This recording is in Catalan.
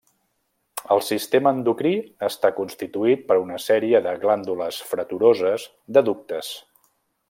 El sistema endocrí està constituït per una sèrie de glàndules freturoses de ductes.